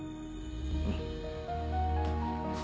うん。